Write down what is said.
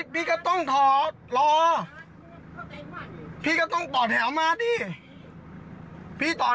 พอพี่พอ